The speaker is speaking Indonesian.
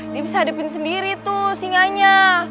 dia bisa hadapin sendiri tuh singanya